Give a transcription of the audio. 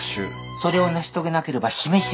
それを成し遂げなければ示しがつかない。